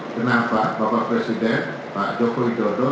kenapa bapak presiden pak joko widodo